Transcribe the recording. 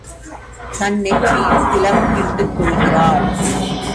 தன் நெற்றியில் திலகம் இட்டுக் கொள்கிறாள்.